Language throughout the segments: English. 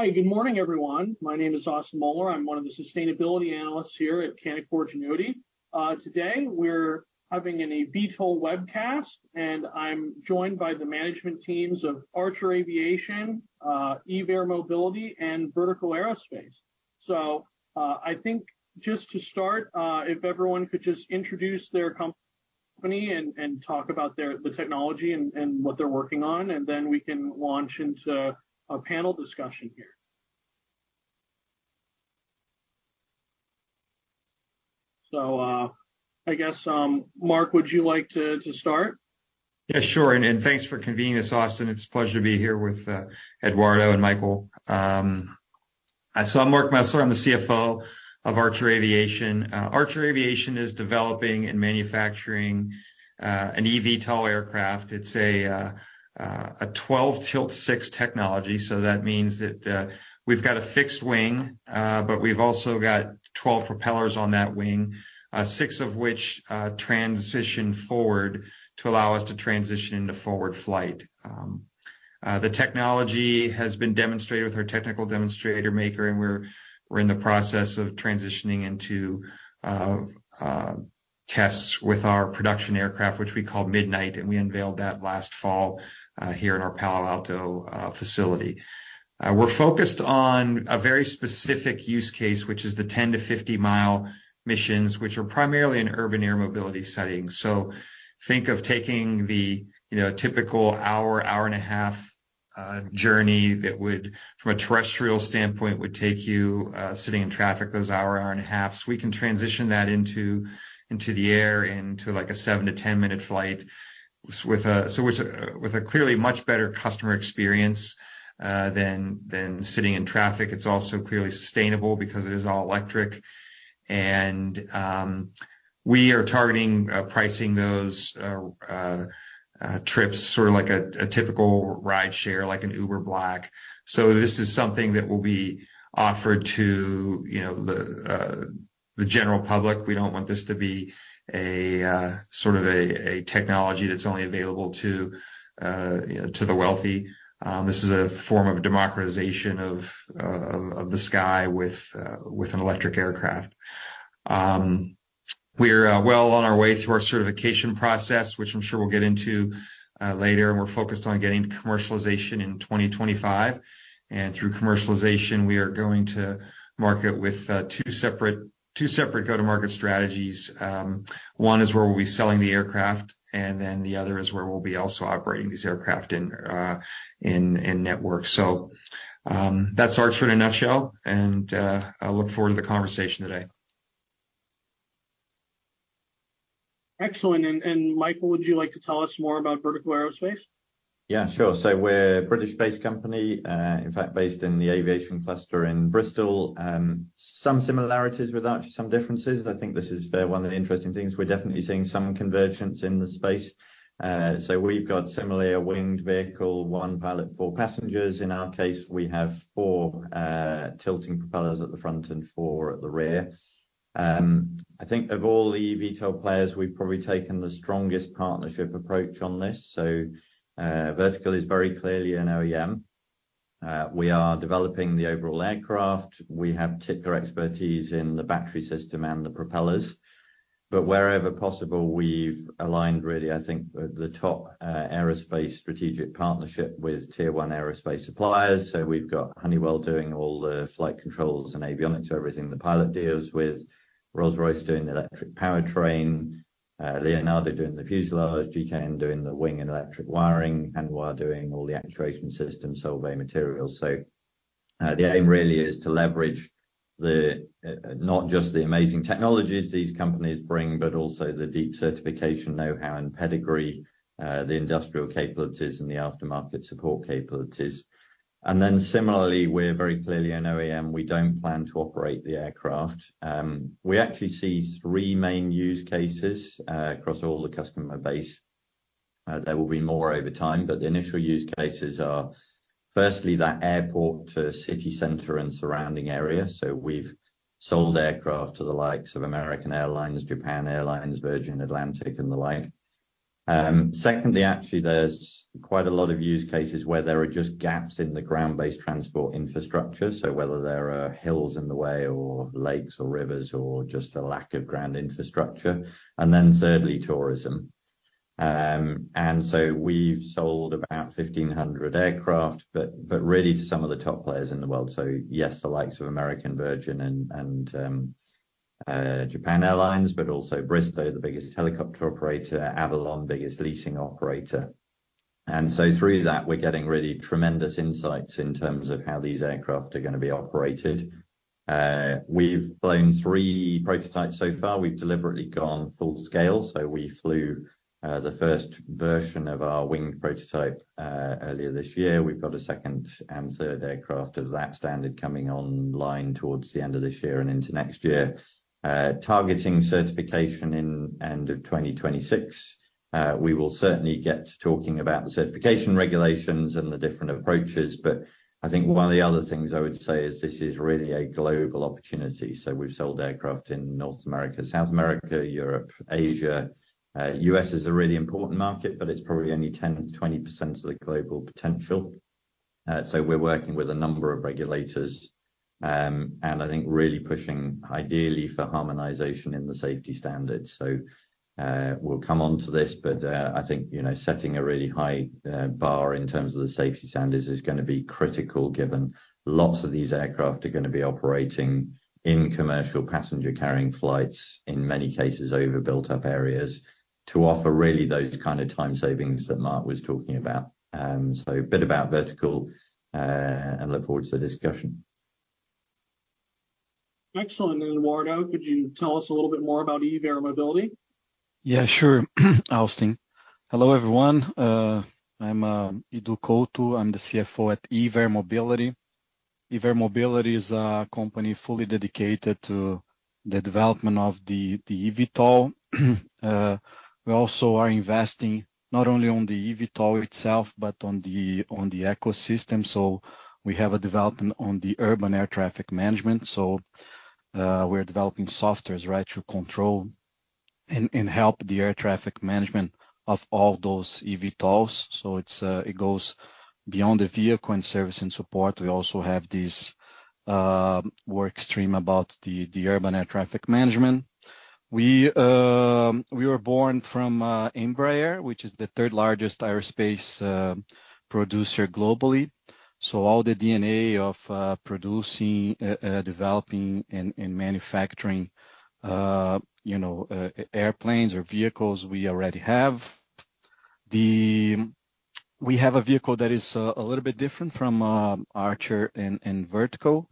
Hi, good morning, everyone. My name is Austin Moeller. I'm one of the sustainability analysts here at Canaccord Genuity. Today, we're having an eVTOL webcast, and I'm joined by the management teams of Archer Aviation, Eve Air Mobility, and Vertical Aerospace. I think just to start, if everyone could just introduce their company and talk about their technology and what they're working on, then we can launch into a panel discussion here. I guess, Mark, would you like to start? Yeah, sure, and thanks for convening this, Austin. It's a pleasure to be here with, you know, Eduardo and Michael. I'm Mark Mesler, I'm the CFO of Archer Aviation. Archer Aviation is developing and manufacturing an eVTOL aircraft. It's a twelve-tilt-six technology, so that means that we've got a fixed wing, but we've also got 12 propellers on that wing, six of which transition forward to allow us to transition into forward flight. The technology has been demonstrated with our technical demonstrator Maker, and we're in the process of transitioning into tests with our production aircraft, which we call Midnight, and we unveiled that last fall here in our Palo Alto facility. We're focused on a very specific use case, which is the 10-50 mi missions, which are primarily in urban air mobility settings. Think of taking the, you know, typical hour, hour and a half journey that would, from a terrestrial standpoint, take you sitting in traffic, those hour, hour and a half. We can transition that into the air, into like a 7-10 minute flight, with a clearly much better customer experience than sitting in traffic. It's also clearly sustainable because it is all electric. We are targeting pricing those trips sort of like a typical ride share, like an Uber Black. This is something that will be offered to, you know, the general public. We don't want this to be a sort of a technology that's only available to you know, to the wealthy. This is a form of democratization of the sky with an electric aircraft. We're well on our way through our certification process, which I'm sure we'll get into later, and we're focused on getting to commercialization in 2025. And through commercialization, we are going to market with two separate go-to-market strategies. One is where we'll be selling the aircraft, and then the other is where we'll be also operating these aircraft in network. So, that's Archer in a nutshell, and I look forward to the conversation today. Excellent. And, Michael, would you like to tell us more about Vertical Aerospace? Yeah, sure. So we're a British-based company, in fact, based in the aviation cluster in Bristol. Some similarities with us, some differences. I think this is one of the interesting things. We're definitely seeing some convergence in the space. So we've got similarly, a winged vehicle, one pilot, four passengers. In our case, we have four tilting propellers at the front and four at the rear. I think of all the eVTOL players, we've probably taken the strongest partnership approach on this. So Vertical is very clearly an OEM. We are developing the overall aircraft. We have particular expertise in the battery system and the propellers, but wherever possible, we've aligned really, I think, the top aerospace strategic partnership with tier one aerospace suppliers. So we've got Honeywell doing all the flight controls and avionics, everything the pilot deals with Rolls-Royce doing the electric powertrain, Leonardo doing the fuselage, GKN doing the wing and electric wiring, and Honeywell doing all the actuation systems, Solvay materials. The aim really is to leverage not just the amazing technologies these companies bring, but also the deep certification, know-how, and pedigree, the industrial capabilities, and the aftermarket support capabilities. Then similarly, we're very clearly an OEM. We don't plan to operate the aircraft. We actually see three main use cases across all the customer base. There will be more over time, but the initial use cases are, firstly, that airport to city center and surrounding area. We've sold aircraft to the likes of American Airlines, Japan Airlines, Virgin Atlantic, and the like. Secondly, actually, there's quite a lot of use cases where there are just gaps in the ground-based transport infrastructure. So whether there are hills in the way or lakes or rivers or just a lack of ground infrastructure. And then thirdly, tourism. And so we've sold about 1,500 aircraft, but really to some of the top players in the world. So yes, the likes of American Airlines, Virgin Atlantic, and Japan Airlines, but also Bristow, the biggest helicopter operator, Avolon, biggest leasing operator. And so through that, we're getting really tremendous insights in terms of how these aircraft are gonna be operated. We've flown three prototypes so far. We've deliberately gone full scale, so we flew the first version of our wing prototype earlier this year. We've got a second and third aircraft of that standard coming online towards the end of this year and into next year, targeting certification in end of 2026. We will certainly get to talking about the certification regulations and the different approaches, but I think one of the other things I would say is this is really a global opportunity. So we've sold aircraft in North America, South America, Europe, Asia. U.S. is a really important market, but it's probably only 10%-20% of the global potential. So we're working with a number of regulators, and I think really pushing ideally for harmonization in the safety standards. So we'll come on to this, but I think, you know, setting a really high bar in terms of the safety standards is gonna be critical, given lots of these aircraft are gonna be operating in commercial passenger carrying flights, in many cases over built-up areas, to offer really those kind of time savings that Mark was talking about. A bit about Vertical, and I look forward to the discussion. Excellent. And Eduardo, could you tell us a little bit more about Eve Air Mobility? Yeah, sure, Austin. Hello, everyone. I'm Edu Couto. I'm the CFO at Eve Air Mobility. Eve Air Mobility is a company fully dedicated to the development of the eVTOL. We also are investing not only on the eVTOL itself, but on the ecosystem. We have a development on the urban air traffic management. We're developing software to control and help the air traffic management of all those eVTOLs. It goes beyond the vehicle and service and support. We also have this work stream about the Urban Air Traffic Management. We were born from Embraer, which is the third largest aerospace producer globally. All the DNA of producing, developing, and manufacturing, you know, airplanes or vehicles, we already have. We have a vehicle that is a little bit different from Archer and Vertical.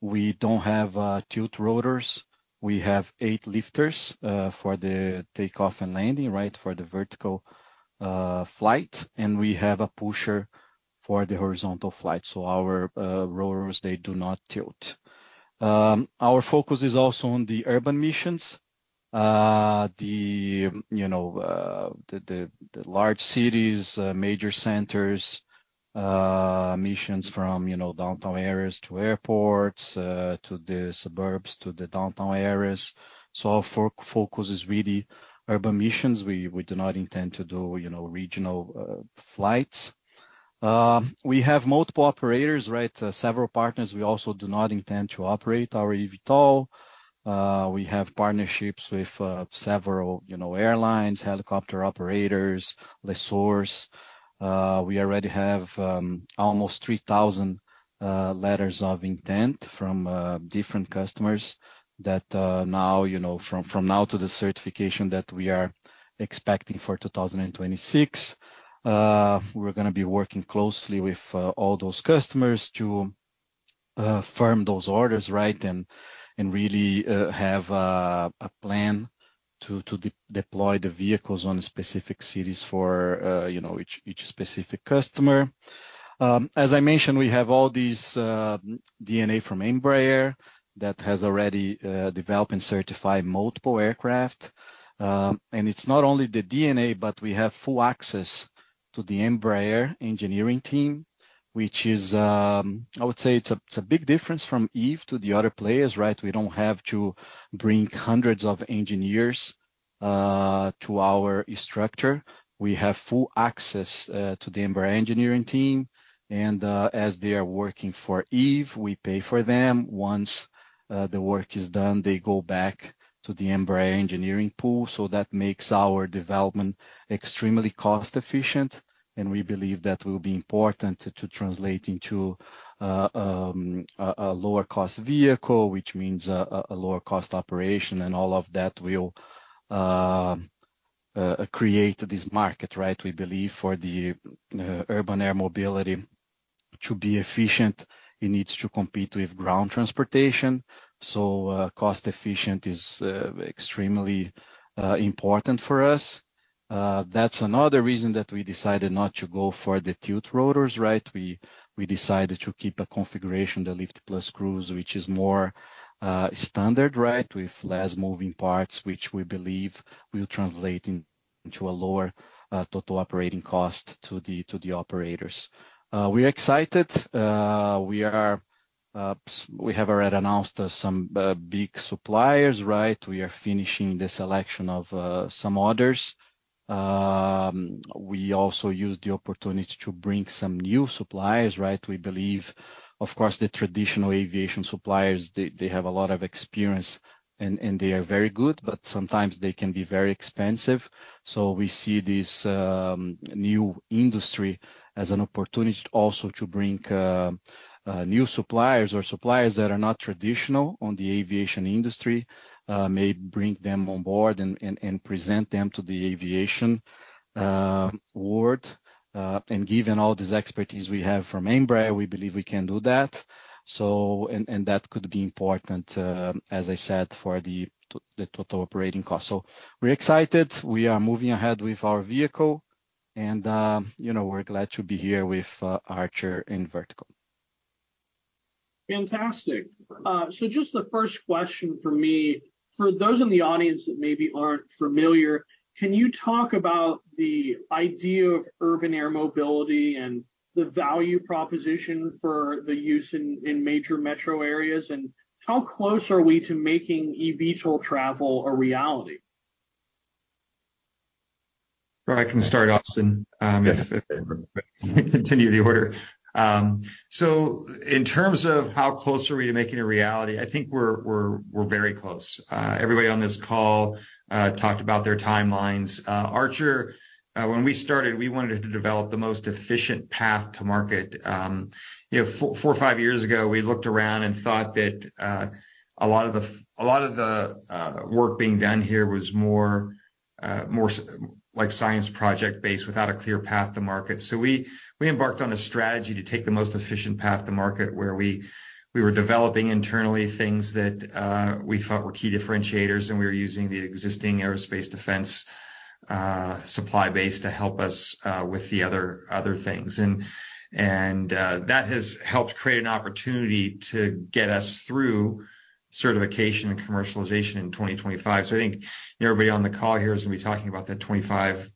We don't have tilt rotors. We have 8 lifters for the takeoff and landing, right? For the vertical flight, and we have a pusher for the horizontal flight. So our rotors, they do not tilt. Our focus is also on the urban missions, you know, the large cities, major centers, missions from, you know, downtown areas to airports, to the suburbs, to the downtown areas. So our focus is really urban missions. We do not intend to do, you know, regional flights. We have multiple operators, right? Several partners. We also do not intend to operate our eVTOL. We have partnerships with several, you know, airlines, helicopter operators, lessors. We already have almost 3,000 letters of intent from different customers that, you know, from now to the certification that we are expecting for 2026. We're gonna be working closely with all those customers to firm those orders, right? And really have a plan to deploy the vehicles on specific cities for, you know, each specific customer. As I mentioned, we have all this DNA from Embraer that has already developed and certified multiple aircraft. It's not only the DNA, but we have full access to the Embraer engineering team, which is, I would say it's a big difference from Eve to the other players, right? We don't have to bring hundreds of engineers to our structure. We have full access to the Embraer engineering team, and as they are working for Eve, we pay for them. Once the work is done, they go back to the Embraer engineering pool. That makes our development extremely cost efficient, and we believe that will be important to translate into a lower cost vehicle, which means a lower cost operation. All of that will create this market, right? We believe for the urban air mobility to be efficient, it needs to compete with ground transportation. Cost efficient is extremely important for us. That's another reason that we decided not to go for the tilt rotors, right? We decided to keep a configuration, the lift plus cruise, which is more standard, right? With less moving parts, which we believe will translate into a lower total operating cost to the operators. We're excited. We have already announced some big suppliers, right? We are finishing the selection of some others. We also use the opportunity to bring some new suppliers, right? We believe, of course, the traditional aviation suppliers, they have a lot of experience and they are very good, but sometimes they can be very expensive. We see this new industry as an opportunity also to bring new suppliers or suppliers that are not traditional in the aviation industry, maybe bring them on board and present them to the aviation world. Given all this expertise we have from Embraer, we believe we can do that. And that could be important, as I said, for the total operating cost. So we're excited. We are moving ahead with our vehicle, and, you know, we're glad to be here with Archer and Vertical. Fantastic. So just the first question for me, for those in the audience that maybe aren't familiar, can you talk about the idea of urban air mobility and the value proposition for the use in major metro areas? And how close are we to making eVTOL travel a reality? Well, I can start, Austin, if we continue the order. So in terms of how close are we to making it a reality? I think we're very close. Everybody on this call talked about their timelines. Archer, when we started, we wanted to develop the most efficient path to market. You know, four or five years ago, we looked around and thought that a lot of the work being done here was more like science project based without a clear path to market. So we embarked on a strategy to take the most efficient path to market, where we were developing internally things that we thought were key differentiators, and we were using the existing aerospace defense supply base to help us with the other things. That has helped create an opportunity to get us through certification and commercialization in 2025. So I think everybody on the call here is gonna be talking about the 2025-2026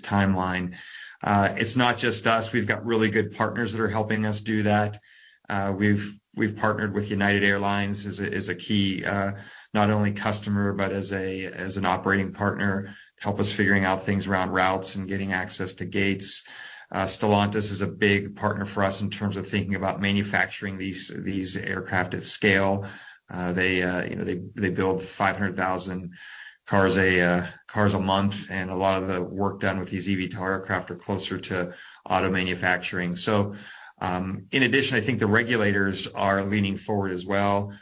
timeline. It's not just us. We've got really good partners that are helping us do that. We've partnered with United Airlines as a key, not only customer but as an operating partner, to help us figuring out things around routes and getting access to gates. Stellantis is a big partner for us in terms of thinking about manufacturing these aircraft at scale. You know, they build 500,000 cars a month, and a lot of the work done with these eVTOL aircraft are closer to auto manufacturing. So, in addition, I think the regulators are leaning forward as well,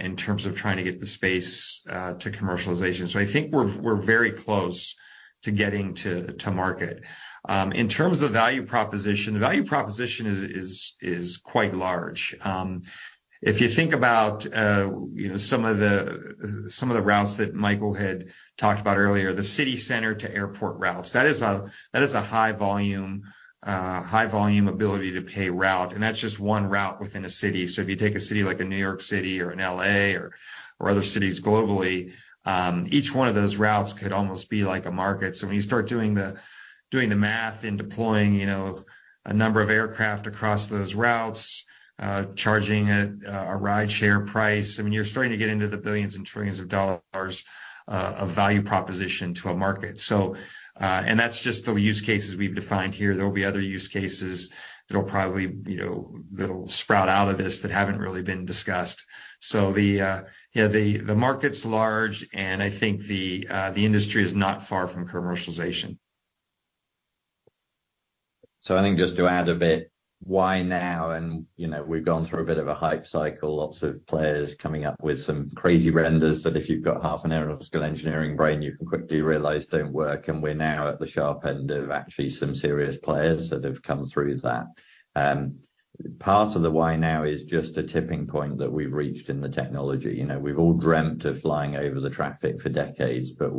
in terms of trying to get the space to commercialization. So I think we're, we're very close to getting to, to market. In terms of the value proposition, the value proposition is, is, is quite large. If you think about, you know, some of the, some of the routes that Michael had talked about earlier, the city center to airport routes, that is a, that is a high volume, high volume ability to pay route, and that's just one route within a city. So if you take a city like a New York City or an L.A. or, or other cities globally, each one of those routes could almost be like a market. So when you start doing the math and deploying, you know, a number of aircraft across those routes, charging at a rideshare price, I mean, you're starting to get into the billions and trillions of dollars of value proposition to a market. And that's just the use cases we've defined here. There will be other use cases that'll probably, you know, that'll sprout out of this that haven't really been discussed. So yeah, the market's large, and I think the industry is not far from commercialization. I think just to add a bit, why now? You know, we've gone through a bit of a hype cycle, lots of players coming up with some crazy renders, that if you've got half an aeronautical engineering brain, you can quickly realize don't work. We're now at the sharp end of actually some serious players that have come through that. Part of the why now is just a tipping point that we've reached in the technology. You know, we've all dreamt of flying over the traffic for decades, but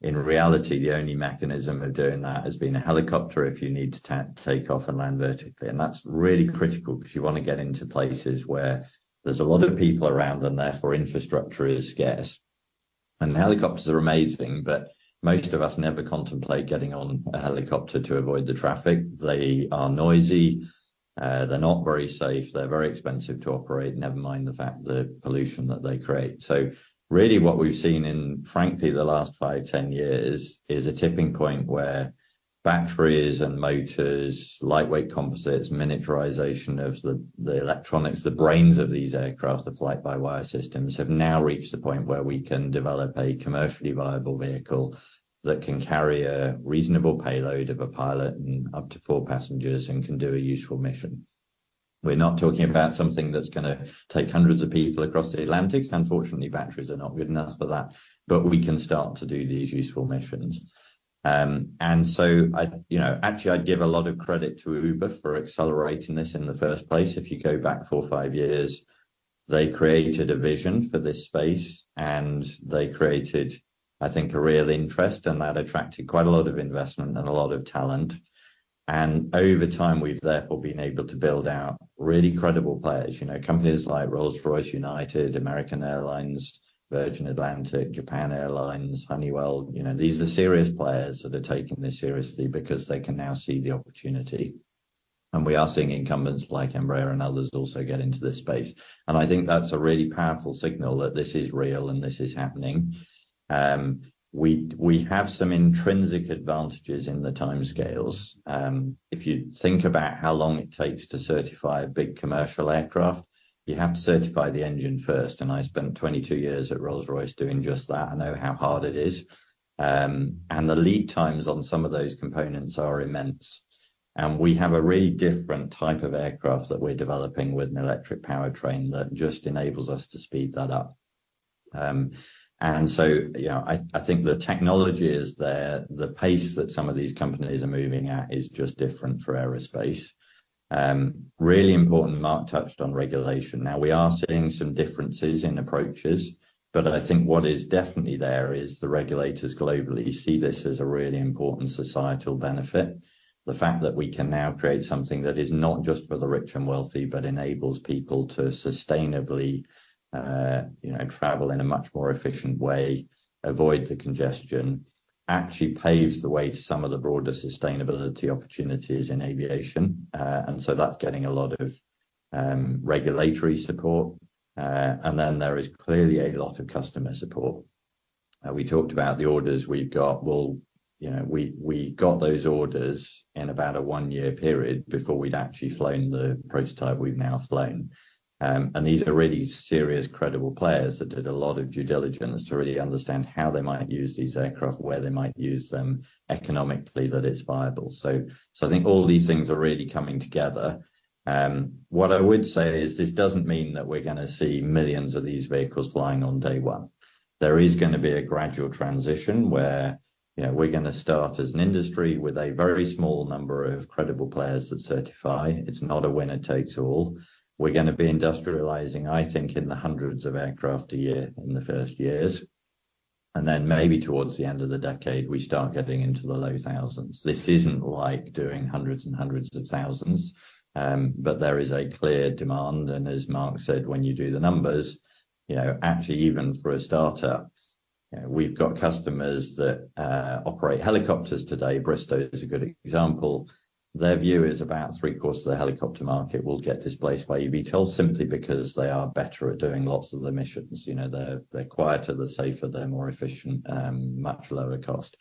we've—in reality, the only mechanism of doing that has been a helicopter, if you need to take off and land vertically. That's really critical because you wanna get into places where there's a lot of people around, and therefore, infrastructure is scarce. Helicopters are amazing, but most of us never contemplate getting on a helicopter to avoid the traffic. They are noisy, they're not very safe, they're very expensive to operate, never mind the fact the pollution that they create. So really, what we've seen in frankly, the last five, 10 years, is a tipping point where batteries and motors, lightweight composites, miniaturization of the electronics, the brains of these aircraft, the fly-by-wire systems, have now reached the point where we can develop a commercially viable vehicle that can carry a reasonable payload of a pilot and up to four passengers and can do a useful mission. We're not talking about something that's gonna take hundreds of people across the Atlantic. Unfortunately, batteries are not good enough for that, but we can start to do these useful missions. And so I, you know, actually, I'd give a lot of credit to Uber for accelerating this in the first place. If you go back four to five years, they created a vision for this space, and they created, I think, a real interest, and that attracted quite a lot of investment and a lot of talent. And over time, we've therefore been able to build out really credible players, you know, companies like Rolls-Royce, United, American Airlines, Virgin Atlantic, Japan Airlines, Honeywell. You know, these are serious players that are taking this seriously because they can now see the opportunity. And we are seeing incumbents like Embraer and others also get into this space. And I think that's a really powerful signal that this is real and this is happening. We have some intrinsic advantages in the timescales. If you think about how long it takes to certify a big commercial aircraft, you have to certify the engine first, and I spent 22 years at Rolls-Royce doing just that. I know how hard it is. The lead times on some of those components are immense. We have a really different type of aircraft that we're developing with an electric powertrain that just enables us to speed that up. You know, I think the technology is there. The pace that some of these companies are moving at is just different for aerospace. Really important, Mark touched on regulation. Now, we are seeing some differences in approaches, but I think what is definitely there is the regulators globally see this as a really important societal benefit. The fact that we can now create something that is not just for the rich and wealthy, but enables people to sustainably, you know, travel in a much more efficient way, avoid the congestion, actually paves the way to some of the broader sustainability opportunities in aviation. And so that's getting a lot of regulatory support, and then there is clearly a lot of customer support. We talked about the orders we've got. Well, you know, we got those orders in about a one-year period before we'd actually flown the prototype we've now flown. And these are really serious, credible players that did a lot of due diligence to really understand how they might use these aircraft, where they might use them economically, that it's viable. So, I think all these things are really coming together. What I would say is, this doesn't mean that we're gonna see millions of these vehicles flying on day one. There is gonna be a gradual transition where, you know, we're gonna start as an industry with a very small number of credible players that certify. It's not a winner takes all. We're gonna be industrializing, I think, in the hundreds of aircraft a year in the first years, and then maybe towards the end of the decade, we start getting into the low thousands. This isn't like doing hundreds and hundreds of thousands, but there is a clear demand, and as Mark said, when you do the numbers, you know, actually, even for a starter, you know, we've got customers that operate helicopters today. Bristow is a good example. Their view is about 3/4 of the helicopter market will get displaced by eVTOL simply because they are better at doing lots of the missions. You know, they're, they're quieter, they're safer, they're more efficient, much lower cost.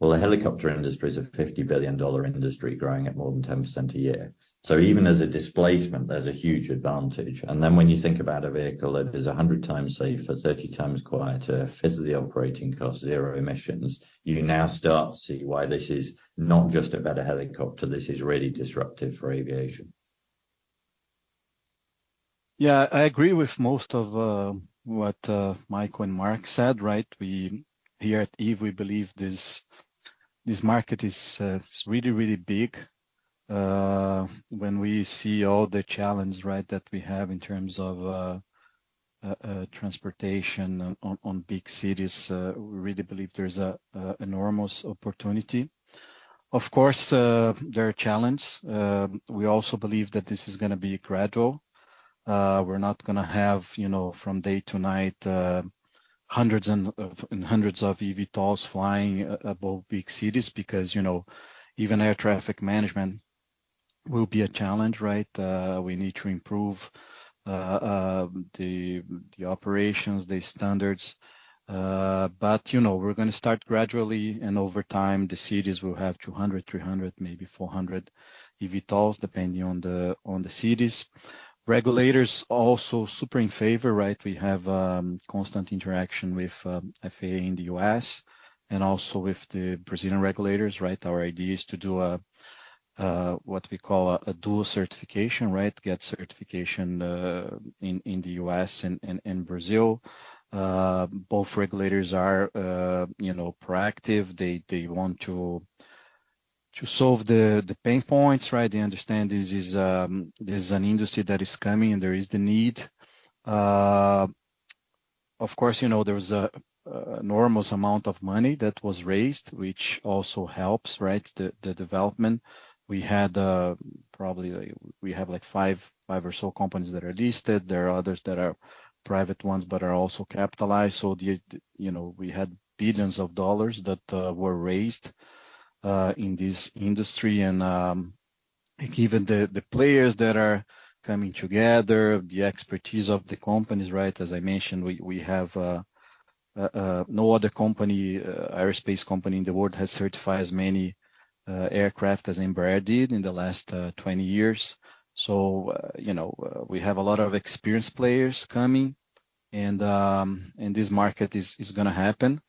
Well, the helicopter industry is a $50 billion industry growing at more than 10% a year. So even as a displacement, there's a huge advantage. And then when you think about a vehicle that is 100 times safer, 30 times quieter, 1/5 of the operating cost, 0 emissions, you now start to see why this is not just a better helicopter, this is really disruptive for aviation. Yeah, I agree with most of what Mike and Mark said, right? We here at Eve, we believe this market is really, really big. When we see all the challenge, right, that we have in terms of transportation on big cities, we really believe there's an enormous opportunity. Of course, there are challenges. We also believe that this is gonna be gradual. We're not gonna have, you know, from day to night, hundreds and hundreds of eVTOLs flying above big cities because, you know, even air traffic management will be a challenge, right? We need to improve the operations, the standards. But, you know, we're gonna start gradually, and over time, the cities will have 200, 300, maybe 400 eVTOLs, depending on the cities. Regulators also super in favor, right? We have constant interaction with FAA in the U.S. and also with the Brazilian regulators, right? Our idea is to do a what we call a dual certification, right? Get certification in the U.S. and Brazil. Both regulators are, you know, proactive. They want to solve the pain points, right? They understand this is this is an industry that is coming, and there is the need. Of course, you know, there was an enormous amount of money that was raised, which also helps, right? The development. We had, probably, we have, like, five, five or so companies that are listed. There are others that are private ones, but are also capitalized. So the, you know, we had $ billions that were raised in this industry. And, given the, the players that are coming together, the expertise of the companies, right? As I mentioned, we, we have, no other company, aerospace company in the world has certified as many aircraft as Embraer did in the last, 20 years. So, you know, we have a lot of experienced players coming, and, and this market is, is gonna happen,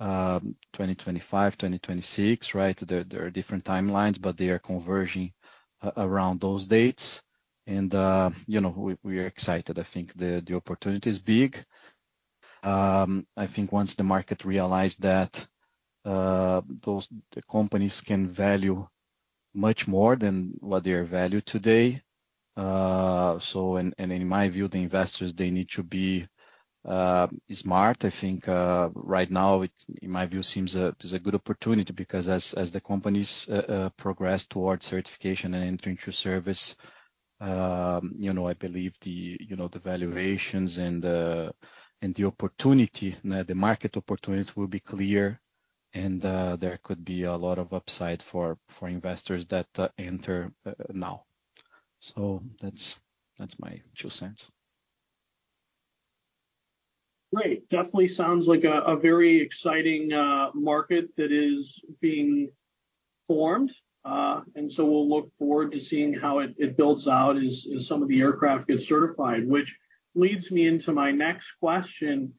2025, 2026, right? There, there are different timelines, but they are converging around those dates, and, you know, we, we are excited. I think the, the opportunity is big. I think once the market realize that, those companies can value much more than what they are valued today. So and, and in my view, the investors, they need to be, smart. I think, right now, it, in my view, seems a, it's a good opportunity because as, as the companies, progress towards certification and into intro service, you know, I believe the, you know, the valuations and, and the opportunity, the market opportunity will be clear, and, there could be a lot of upside for, for investors that, enter, now. So that's, that's my two cents. Great. Definitely sounds like a very exciting market that is being formed. And so we'll look forward to seeing how it builds out as some of the aircraft get certified. Which leads me into my next question.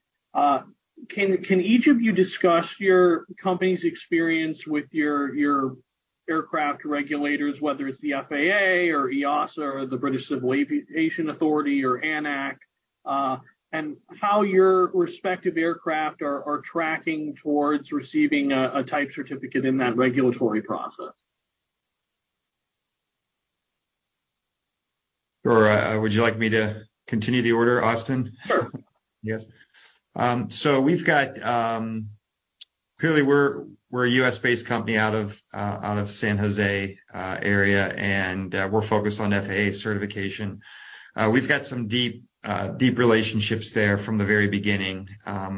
Can each of you discuss your company's experience with your aircraft regulators, whether it's the FAA or EASA or the British Civil Aviation Authority or ANAC, and how your respective aircraft are tracking towards receiving a Type Certificate in that regulatory process? Sure. Would you like me to continue the order, Austin? Sure. Yes. So we've got, Clearly, we're, we're a US-based company out of, out of San Jose area, and, we're focused on FAA certification. We've got some deep, deep relationships there from the very beginning.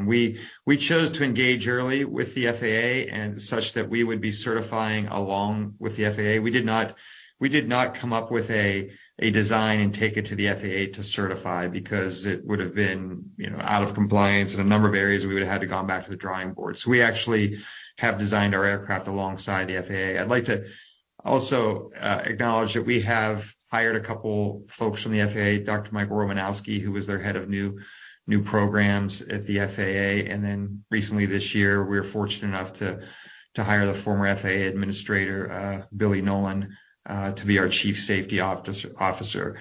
We, we chose to engage early with the FAA, and such that we would be certifying along with the FAA. We did not, we did not come up with a, a design and take it to the FAA to certify because it would've been, you know, out of compliance in a number of areas. We would've had to gone back to the drawing board. So we actually have designed our aircraft alongside the FAA. I'd like to also, acknowledge that we have hired a couple folks from the FAA, Dr. Mike Romanowski, who was their head of new programs at the FAA, and then recently this year, we were fortunate enough to hire the former FAA administrator, Billy Nolen, to be our Chief Safety Officer.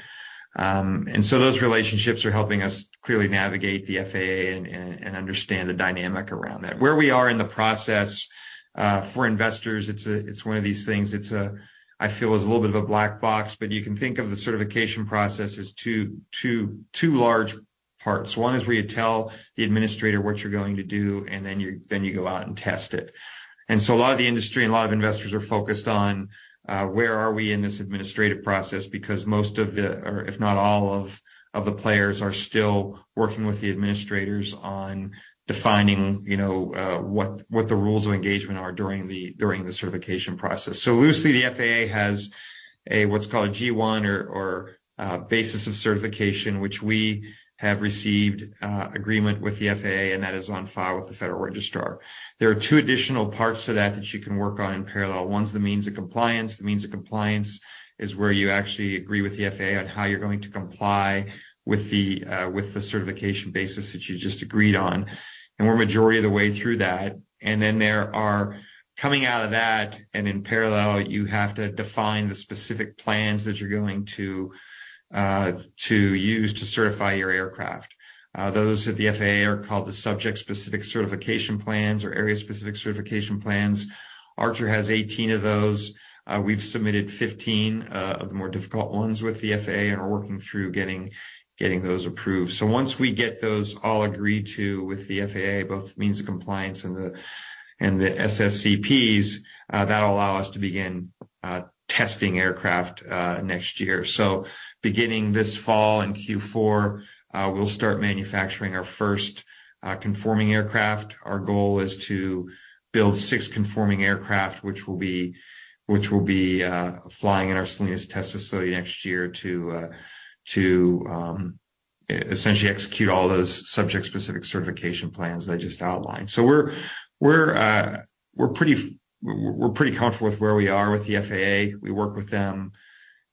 And so those relationships are helping us clearly navigate the FAA and understand the dynamic around that. Where we are in the process for investors, it's one of these things. I feel it's a little bit of a black box, but you can think of the certification process as two large parts. One is where you tell the administrator what you're going to do, and then you go out and test it. And so a lot of the industry and a lot of investors are focused on where are we in this administrative process? Because most of the, or if not all of, the players are still working with the administrators on defining, you know, what the rules of engagement are during the certification process. So loosely, the FAA has a what's called a G1 or basis of certification, which we have received agreement with the FAA, and that is on file with the Federal Register. There are two additional parts to that that you can work on in parallel. One's the means of compliance. The means of compliance is where you actually agree with the FAA on how you're going to comply with the certification basis that you just agreed on. And we're majority of the way through that. And then there are coming out of that and in parallel, you have to define the specific plans that you're going to use to certify your aircraft. Those at the FAA are called the subject-specific certification plans or area-specific certification plans. Archer has 18 of those. We've submitted 15 of the more difficult ones with the FAA and are working through getting those approved. So once we get those all agreed to with the FAA, both means of compliance and the SSCPs, that'll allow us to begin testing aircraft next year. So beginning this fall in Q4, we'll start manufacturing our first conforming aircraft. Our goal is to build six conforming aircraft, which will be flying in our Salinas test facility next year to essentially execute all those subject-specific certification plans that I just outlined. So we're pretty comfortable with where we are with the FAA. We work with them,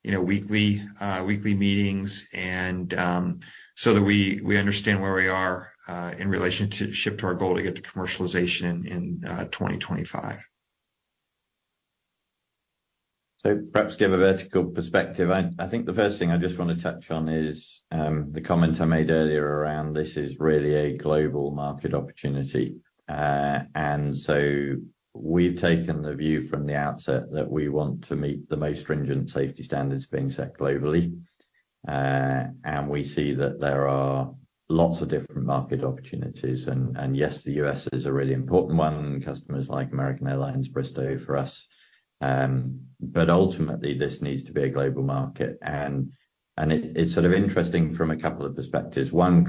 you know, weekly meetings, so that we understand where we are in relationship to our goal to get to commercialization in 2025. So perhaps give a Vertical perspective. I think the first thing I just want to touch on is the comment I made earlier around this is really a global market opportunity. And so we've taken the view from the outset that we want to meet the most stringent safety standards being set globally. And we see that there are lots of different market opportunities, and yes, the U.S. is a really important one, customers like American Airlines, Bristow for us. But ultimately, this needs to be a global market, and it is sort of interesting from a couple of perspectives. One,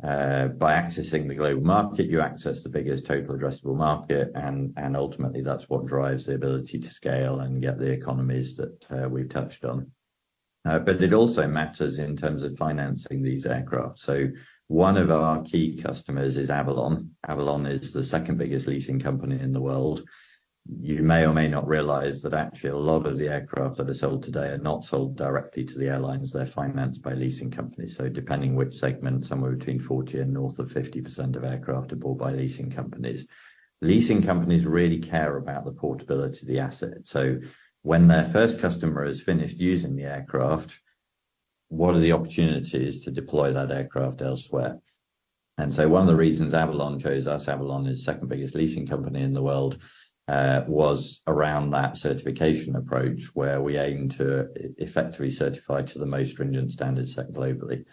clearly, by accessing the global market, you access the biggest total addressable market, and ultimately that's what drives the ability to scale and get the economies that we've touched on. But it also matters in terms of financing these aircraft. So one of our key customers is Avolon. Avolon is the second biggest leasing company in the world. You may or may not realize that actually a lot of the aircraft that are sold today are not sold directly to the airlines, they're financed by leasing companies. So depending which segment, somewhere between 40% and north of 50% of aircraft are bought by leasing companies. Leasing companies really care about the portability of the asset. So when their first customer is finished using the aircraft, what are the opportunities to deploy that aircraft elsewhere? And so one of the reasons Avolon chose us, Avolon is second biggest leasing company in the world, was around that certification approach, where we aim to effectively certify to the most stringent standards set globally.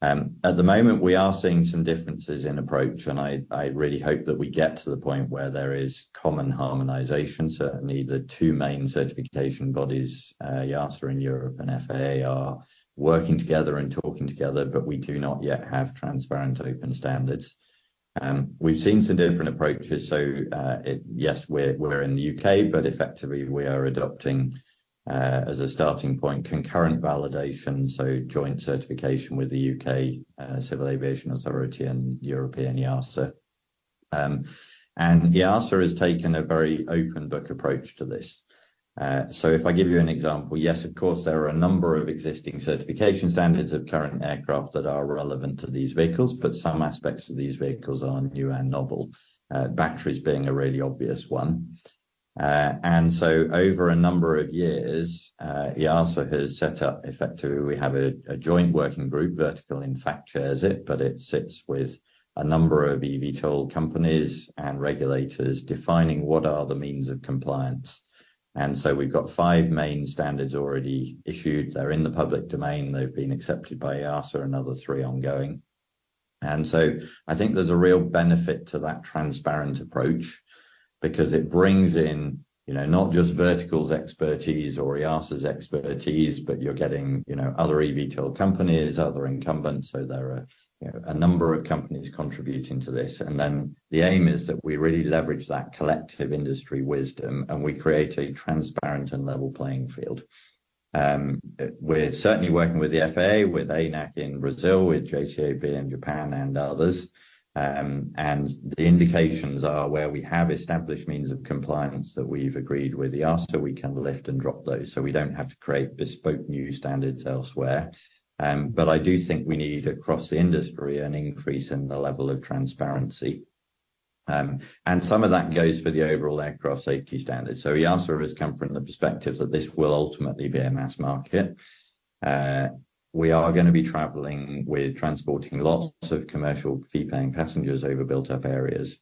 At the moment, we are seeing some differences in approach, and I, I really hope that we get to the point where there is common harmonization. Certainly, the two main certification bodies, EASA in Europe and FAA, are working together and talking together, but we do not yet have transparent open standards. We've seen some different approaches, yes, we're, we're in the UK, but effectively we are adopting, as a starting point, concurrent validation, so joint certification with the U.K., Civil Aviation Authority and European EASA. And EASA has taken a very open book approach to this. So if I give you an example, yes, of course, there are a number of existing certification standards of current aircraft that are relevant to these vehicles, but some aspects of these vehicles are new and novel, batteries being a really obvious one. And so over a number of years, EASA has set up, effectively, we have a joint working group, Vertical, in fact, chairs it, but it sits with a number of eVTOL companies and regulators, defining what are the Means of Compliance. And so we've got five main standards already issued. They're in the public domain. They've been accepted by EASA and another three ongoing. And so I think there's a real benefit to that transparent approach, because it brings in, you know, not just Vertical's expertise or EASA's expertise, but you're getting, you know, other eVTOL companies, other incumbents. So there are, you know, a number of companies contributing to this. And then the aim is that we really leverage that collective industry wisdom, and we create a transparent and level playing field. We're certainly working with the FAA, with ANAC in Brazil, with JCAB in Japan and others. And the indications are where we have established means of compliance that we've agreed with EASA, we can lift and drop those, so we don't have to create bespoke new standards elsewhere. But I do think we need, across the industry, an increase in the level of transparency. And some of that goes for the overall aircraft safety standards. So EASA is coming from the perspective that this will ultimately be a mass market. We are gonna be traveling with transporting lots of commercial fee-paying passengers over built-up areas.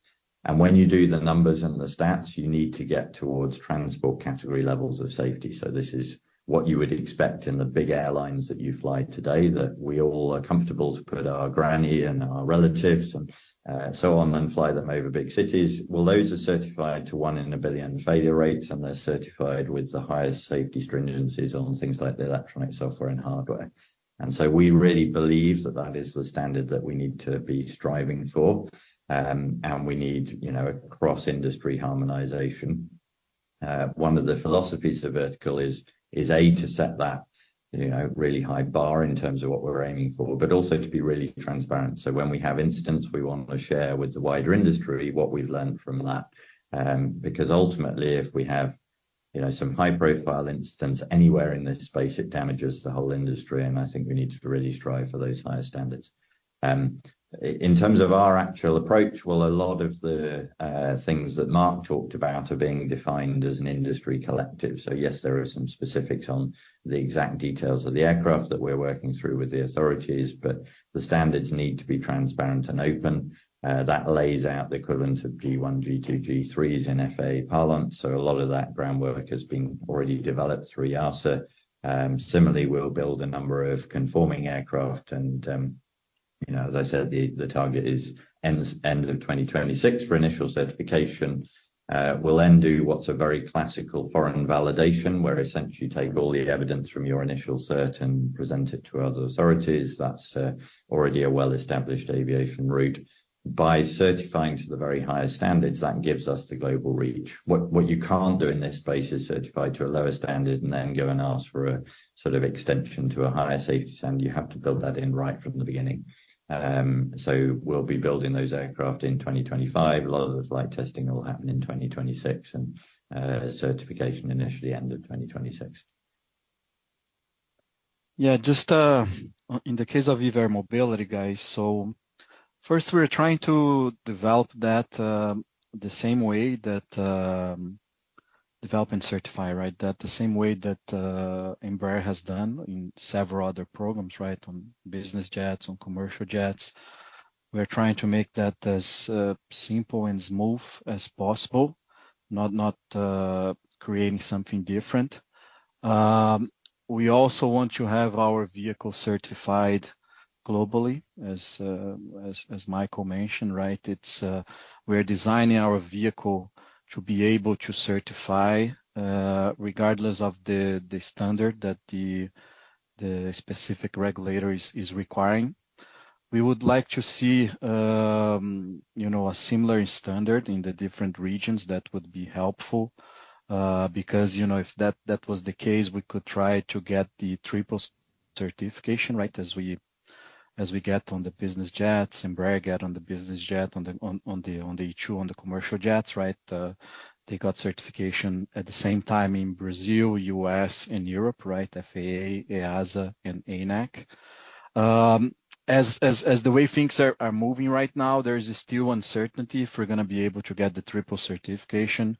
When you do the numbers and the stats, you need to get towards transport category levels of safety. This is what you would expect in the big airlines that you fly today, that we all are comfortable to put our granny and our relatives and, you know, so on, and fly them over big cities. Well, those are certified to 1 in a billion failure rates, and they're certified with the highest safety stringencies on things like the electronic software and hardware. We really believe that that is the standard that we need to be striving for. We need, you know, a cross-industry harmonization. One of the philosophies of Vertical is, is, A, to set that, you know, really high bar in terms of what we're aiming for, but also to be really transparent. So when we have incidents, we want to share with the wider industry what we've learned from that. Because ultimately, if we have, you know, some high-profile incidents anywhere in this space, it damages the whole industry, and I think we need to really strive for those higher standards. In terms of our actual approach, well, a lot of the things that Mark talked about are being defined as an industry collective. So yes, there are some specifics on the exact details of the aircraft that we're working through with the authorities, but the standards need to be transparent and open. That lays out the equivalent of G1, G2, G3s in FAA parlance, so a lot of that groundwork has been already developed through EASA. Similarly, we'll build a number of conforming aircraft and, you know, as I said, the target is end of 2026 for initial certification. We'll then do what's a very classical foreign validation, where essentially you take all the evidence from your initial cert and present it to other authorities. That's already a well-established aviation route. By certifying to the very highest standards, that gives us the global reach. What you can't do in this space is certify to a lower standard and then go and ask for a sort of extension to a higher safety standard. You have to build that in right from the beginning. So we'll be building those aircraft in 2025. A lot of the flight testing will happen in 2026, and certification initially end of 2026. Yeah, just in the case of eVTOL mobility, guys, first, we're trying to develop that, the same way that, develop and certify, right? The same way that Embraer has done in several other programs, right? On business jets, on commercial jets. We're trying to make that as simple and smooth as possible, not, not creating something different. We also want to have our vehicle certified globally, as, as Michael mentioned, right? It's, we're designing our vehicle to be able to certify, regardless of the standard that the specific regulator is requiring. We would like to see, you know, a similar standard in the different regions. That would be helpful, because, you know, if that was the case, we could try to get the triple certification, right? As we get on the business jets, Embraer get on the business jet, on the E2, on the commercial jets, right? They got certification at the same time in Brazil, US, and Europe, right? FAA, EASA and ANAC. As the way things are moving right now, there is still uncertainty if we're gonna be able to get the triple certification.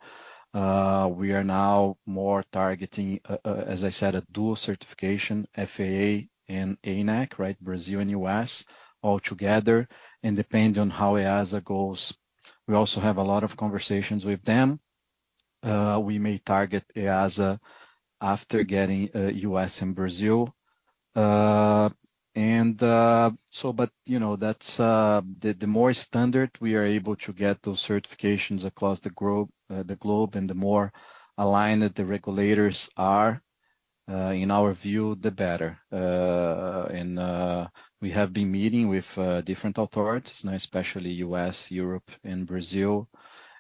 We are now more targeting, as I said, a dual certification, FAA and ANAC, right, Brazil and U.S. altogether. And depending on how EASA goes, we also have a lot of conversations with them. We may target EASA after getting U.S. and Brazil. But, you know, that's the more standard we are able to get those certifications across the globe, and the more aligned that the regulators are, in our view, the better. We have been meeting with different authorities, now especially U.S., Europe and Brazil.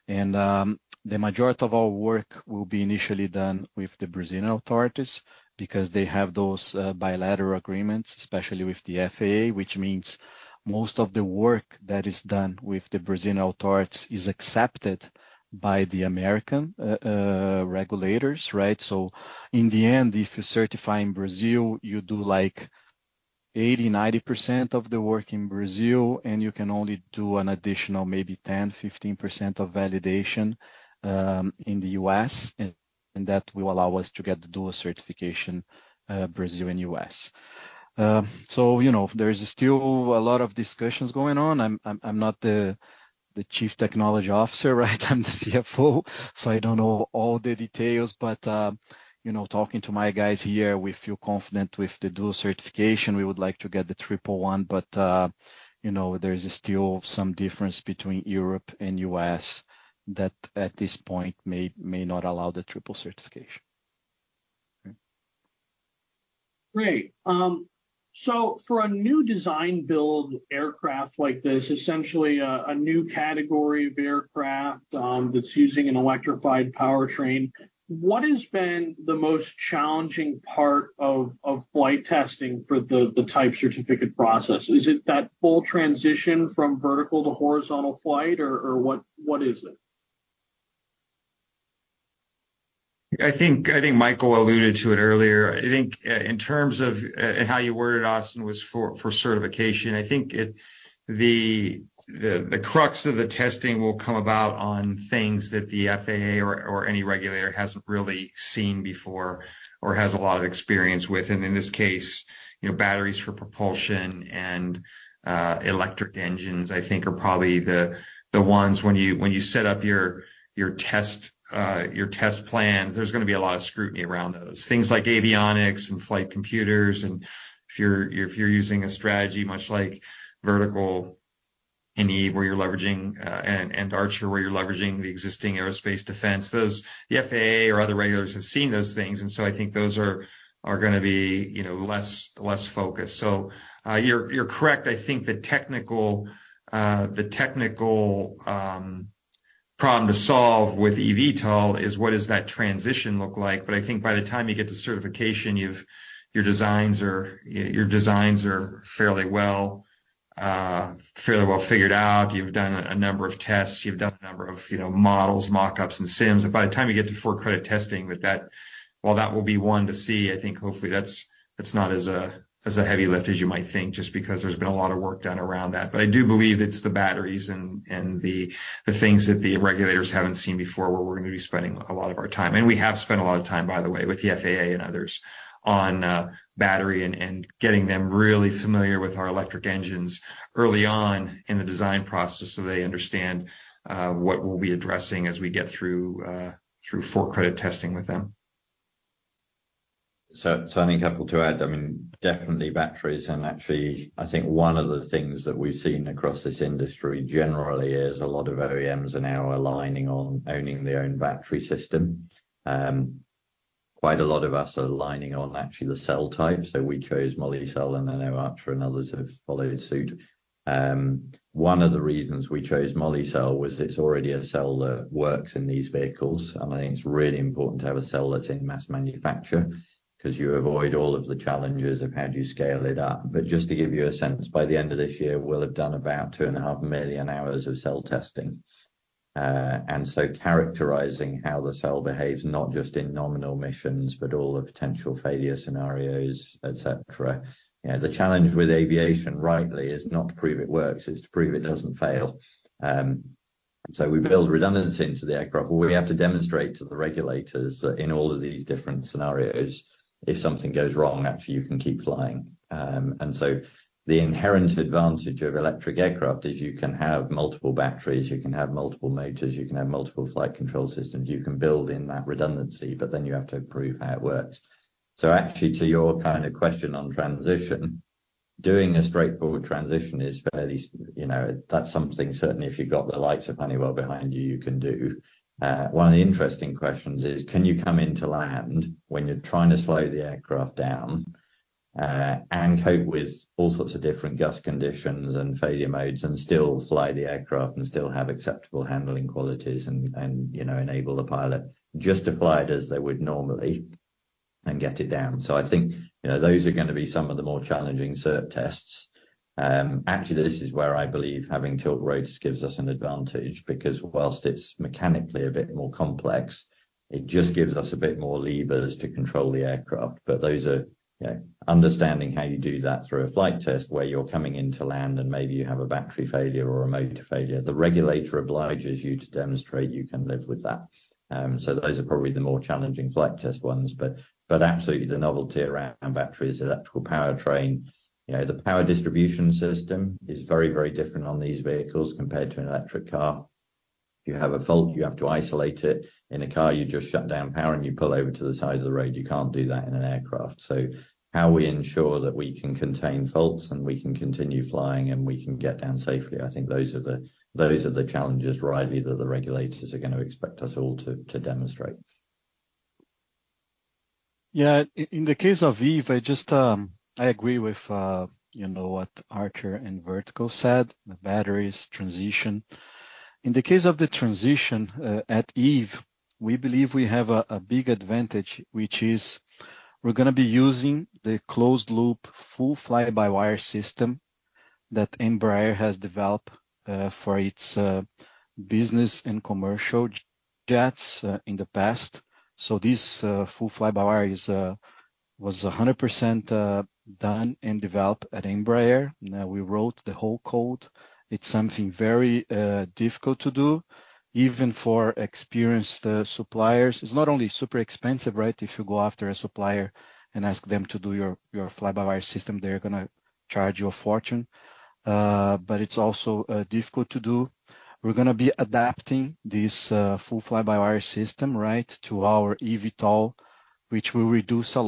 The majority of our work will be initially done with the Brazilian authorities because they have those bilateral agreements, especially with the FAA, which means most of the work that is done with the Brazilian authorities is accepted by the American regulators, right? So in the end, if you certify in Brazil, you do like 80%-90% of the work in Brazil, and you can only do an additional maybe 10%-15% of validation, in the U.S., and that will allow us to get the dual certification, Brazil and U.S. So, you know, there is still a lot of discussions going on. I'm not the Chief Technology Officer, right? I'm the CFO, so I don't know all the details, but, you know, talking to my guys here, we feel confident with the dual certification. We would like to get the triple one, but, you know, there is still some difference between Europe and U.S. that at this point may not allow the triple certification. Okay. Great. For a new design build aircraft like this, essentially a new category of aircraft that's using an electrified powertrain, what has been the most challenging part of flight testing for the type certificate process? Is it that full transition from vertical to horizontal flight, or what is it? I think, I think Michael alluded to it earlier. I think, in terms of, and how you worded, Austin, was for, for certification, I think it, the crux of the testing will come about on things that the FAA or any regulator hasn't really seen before or has a lot of experience with, and in this case, you know, batteries for propulsion and electric engines, I think are probably the ones when you set up your test plans, there's gonna be a lot of scrutiny around those. Things like avionics and flight computers, and if you're using a strategy, much like Vertical and Eve, where you're leveraging and Archer, where you're leveraging the existing aerospace defense, those that the FAA or other regulators have seen those things, and so I think those are gonna be, you know, less focused. So, you're correct. I think the technical problem to solve with eVTOL is what does that transition look like? But I think by the time you get to certification, you've—your designs are, your designs are fairly well figured out. You've done a number of tests, you've done a number of, you know, models, mock-ups, and sims, and by the time you get to Type Certificate testing, that that... while that will be one to see, I think hopefully that's not as heavy a lift as you might think, just because there's been a lot of work done around that. But I do believe it's the batteries and the things that the regulators haven't seen before, where we're gonna be spending a lot of our time. We have spent a lot of time, by the way, with the FAA and others on battery and getting them really familiar with our electric engines early on in the design process, so they understand what we'll be addressing as we get through four credit testing with them. Only a couple to add, I mean, definitely batteries, and actually, I think one of the things that we've seen across this industry generally is a lot of OEMs are now aligning on owning their own battery system. Quite a lot of us are aligning on actually the cell type, so we chose Molicel, and I know Archer and others have followed suit. One of the reasons we chose Molicel was it's already a cell that works in these vehicles, and I think it's really important to have a cell that's in mass manufacture, 'cause you avoid all of the challenges of how do you scale it up. But just to give you a sense, by the end of this year, we'll have done about 2.5 million hours of cell testing. And so characterizing how the cell behaves, not just in nominal missions, but all the potential failure scenarios, et cetera. You know, the challenge with aviation, rightly, is not to prove it works, it's to prove it doesn't fail. So we build redundancy into the aircraft, but we have to demonstrate to the regulators that in all of these different scenarios, if something goes wrong, actually you can keep flying. And so the inherent advantage of electric aircraft is you can have multiple batteries, you can have multiple motors, you can have multiple flight control systems. You can build in that redundancy, but then you have to prove how it works. So actually, to your kind of question on transition, doing a straightforward transition is fairly you know, that's something certainly if you've got the likes of Honeywell behind you, you can do. One of the interesting questions is, can you come in to land when you're trying to slow the aircraft down, and cope with all sorts of different gust conditions and failure modes, and still fly the aircraft, and still have acceptable handling qualities and, you know, enable the pilot, just to fly it as they would normally and get it down? So I think, you know, those are gonna be some of the more challenging cert tests. Actually, this is where I believe having tiltrotors gives us an advantage, because whilst it's mechanically a bit more complex, it just gives us a bit more levers to control the aircraft. But those are, you know, understanding how you do that through a flight test where you're coming in to land and maybe you have a battery failure or a motor failure. The regulator obliges you to demonstrate you can live with that, so those are probably the more challenging flight test ones. But absolutely the novelty around batteries, electrical powertrain, you know, the power distribution system is very, very different on these vehicles compared to an electric car. If you have a fault, you have to isolate it. In a car, you just shut down power, and you pull over to the side of the road. You can't do that in an aircraft. So how we ensure that we can contain faults, and we can continue flying, and we can get down safely, I think those are the challenges, rightly, that the regulators are gonna expect us all to demonstrate. Yeah, in the case of Eve, I just, I agree with, you know, what Archer and Vertical said, the batteries transition. In the case of the transition at Eve, we believe we have a big advantage, which is we're gonna be using the closed loop full fly-by-wire system that Embraer has developed for its business and commercial jets in the past. So this full fly-by-wire was 100% done and developed at Embraer. Now, we wrote the whole code. It's something very difficult to do, even for experienced suppliers. It's not only super expensive, right? If you go after a supplier and ask them to do your fly-by-wire system, they're gonna- charge you a fortune, but it's also difficult to do. We're gonna be adapting this full fly-by-wire system, right? To our eVTOL, which will reduce a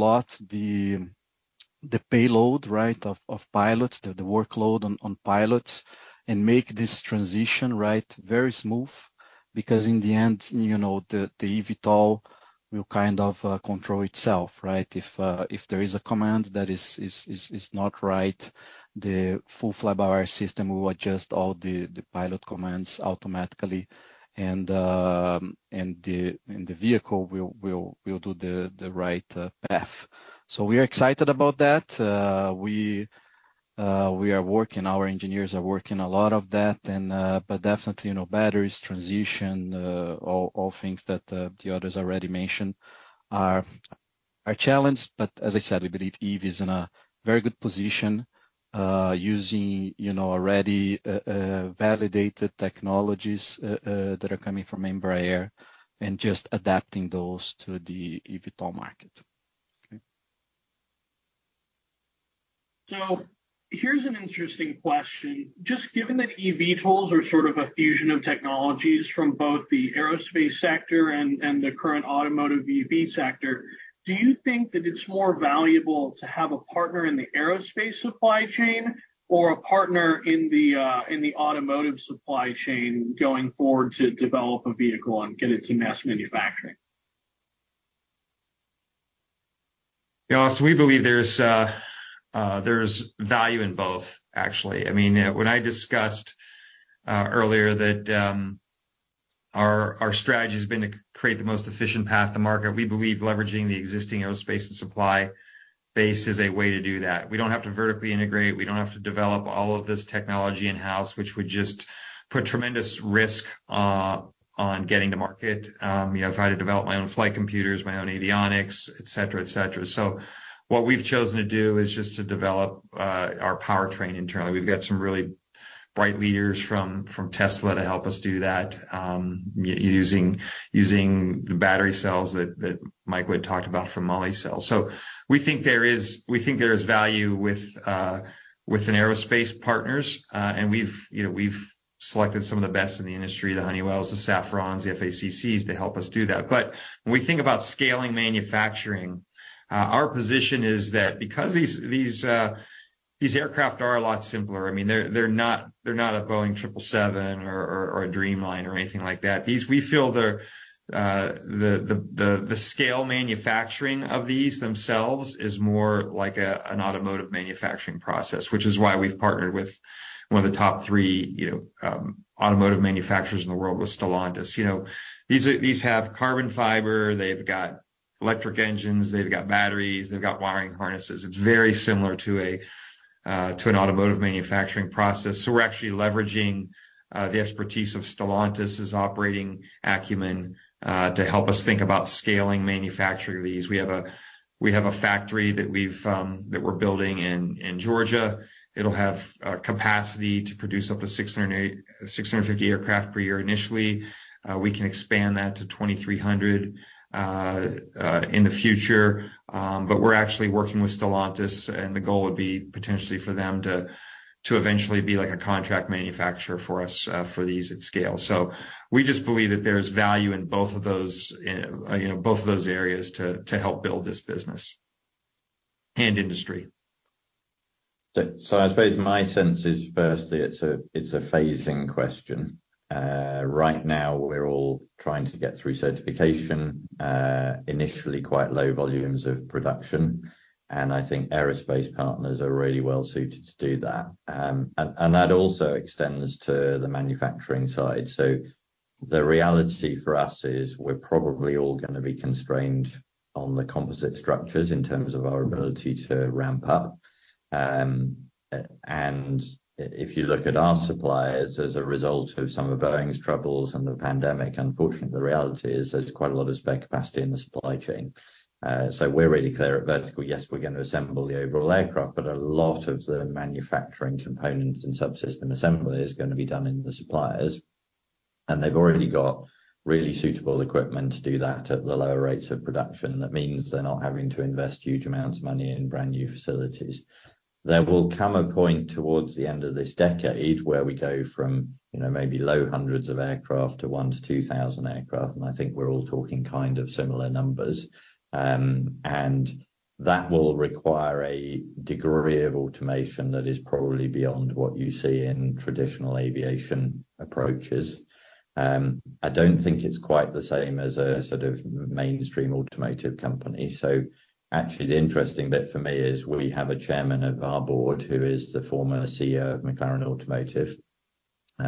lot the payload, right, of pilots, the workload on pilots, and make this transition, right, very smooth. Because in the end, you know, the eVTOL will kind of control itself, right? If there is a command that is not right, the full fly-by-wire system will adjust all the pilot commands automatically, and the vehicle will do the right path. We're excited about that. We are working-- our engineers are working a lot of that, and... definitely, you know, batteries, transition, all things that the others already mentioned are challenged. But as I said, we believe Eve is in a very good position, using, you know, already validated technologies that are coming from Embraer and just adapting those to the eVTOL market. Okay. So here's an interesting question: just given that eVTOLs are sort of a fusion of technologies from both the aerospace sector and the current automotive EV sector, do you think that it's more valuable to have a partner in the aerospace supply chain or a partner in the automotive supply chain going forward to develop a vehicle and get it to mass manufacturing? Yeah, we believe there's value in both, actually. I mean, when I discussed earlier that our strategy has been to create the most efficient path to market, we believe leveraging the existing aerospace and supply base is a way to do that. We don't have to vertically integrate, we don't have to develop all of this technology in-house, which would just put tremendous risk on getting to market. You know, if I had to develop my own flight computers, my own avionics, et cetera, et cetera. What we've chosen to do is just to develop our powertrain internally. We've got some really bright leaders from Tesla to help us do that, using the battery cells that Mike would talked about from Molicel. So we think there is value with an aerospace partners, and we've, you know, selected some of the best in the industry, the Honeywells, the Safrans, the FACCs to help us do that. But when we think about scaling manufacturing, our position is that because these aircraft are a lot simpler, I mean, they're not a Boeing triple seven or a Dreamliner or anything like that. We feel the scale manufacturing of these themselves is more like an automotive manufacturing process, which is why we've partnered with one of the top three, you know, automotive manufacturers in the world, with Stellantis. You know, these have carbon fiber, they've got electric engines, they've got batteries, they've got wiring harnesses. It's very similar to an automotive manufacturing process. We're actually leveraging the expertise of Stellantis' operating acumen to help us think about scaling manufacturing of these. We have a factory that we're building in Georgia. It'll have capacity to produce up to 650 aircraft per year initially. We can expand that to 2,300 in the future. We're actually working with Stellantis, and the goal would be potentially for them to eventually be like a contract manufacturer for us for these at scale. We just believe that there's value in both of those, you know, both of those areas to help build this business and industry. So I suppose my sense is, firstly, it's a phasing question. Right now, we're all trying to get through certification, initially quite low volumes of production, and I think aerospace partners are really well-suited to do that. And that also extends to the manufacturing side. So the reality for us is we're probably all gonna be constrained on the composite structures in terms of our ability to ramp up. If you look at our suppliers, as a result of some of Boeing's troubles and the pandemic, unfortunately, the reality is there's quite a lot of spare capacity in the supply chain. So we're really clear at Vertical, yes, we're gonna assemble the overall aircraft, but a lot of the manufacturing components and subsystem assembly is gonna be done in the suppliers. They've already got really suitable equipment to do that at the lower rates of production, that means they're not having to invest huge amounts of money in brand-new facilities. There will come a point towards the end of this decade where we go from, you know, maybe low hundreds of aircraft to 1,000-2,000 aircraft, and I think we're all talking kind of similar numbers. That will require a degree of automation that is probably beyond what you see in traditional aviation approaches. I don't think it's quite the same as a sort of mainstream automotive company. Actually, the interesting bit for me is we have a chairman of our board who is the former CEO of McLaren Automotive.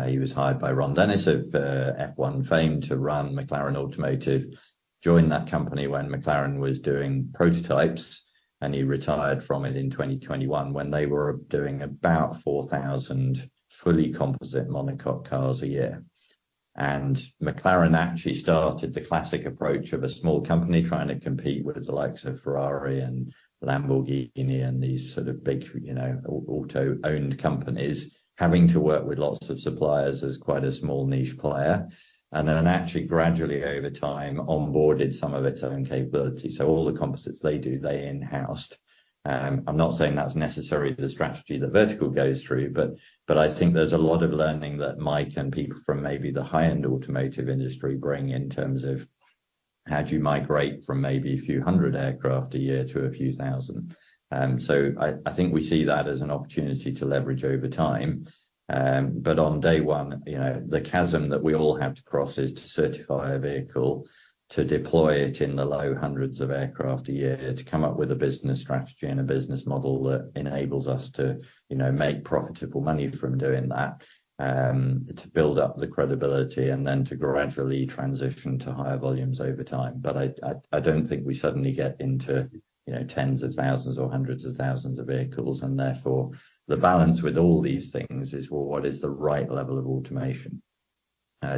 He was hired by Ron Dennis of F1 fame to run McLaren Automotive. Joined that company when McLaren was doing prototypes, and he retired from it in 2021 when they were doing about 4,000 fully composite monocoque cars a year. McLaren actually started the classic approach of a small company trying to compete with the likes of Ferrari and Lamborghini and these sort of big, you know, auto-owned companies, having to work with lots of suppliers as quite a small niche player, and then actually gradually, over time, onboarded some of its own capabilities. So all the composites they do, they in-housed. I'm not saying that's necessarily the strategy that Vertical goes through, but I think there's a lot of learning that Mike and people from maybe the high-end automotive industry bring in terms of how do you migrate from maybe a few hundred aircraft a year to a few thousand? So, I think we see that as an opportunity to leverage over time. But on day one, you know, the chasm that we all have to cross is to certify a vehicle, to deploy it in the low hundreds of aircraft a year, to come up with a business strategy and a business model that enables us to, you know, make profitable money from doing that, to build up the credibility and then to gradually transition to higher volumes over time. But I don't think we suddenly get into, you know, tens of thousands or hundreds of thousands of vehicles, and therefore, the balance with all these things is, well, what is the right level of automation?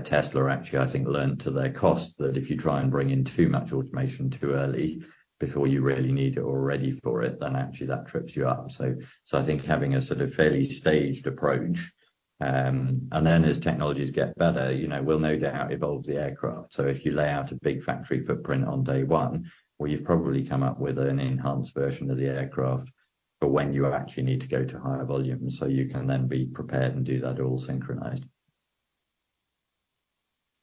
Tesla actually, I think, learned to their cost that if you try and bring in too much automation too early, before you really need it or are ready for it, then actually that trips you up. So I think having a sort of fairly staged approach, and then as technologies get better, you know, we'll no doubt evolve the aircraft. So if you lay out a big factory footprint on day one, well, you've probably come up with an enhanced version of the aircraft for when you actually need to go to higher volumes, so you can then be prepared and do that all synchronized.